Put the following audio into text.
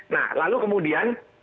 nah lalu kemudian